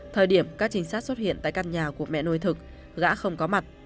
thời điểm các trinh sát xuất hiện tại căn nhà của mẹ nuôi thực gã không có mặt